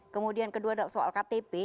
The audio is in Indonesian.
kemudian kedua adalah soal ktp